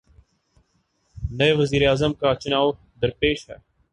نئے وزیر اعظم کا چنائو درپیش ہے۔